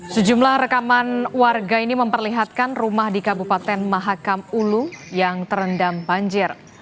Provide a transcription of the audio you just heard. sejumlah rekaman warga ini memperlihatkan rumah di kabupaten mahakam ulu yang terendam banjir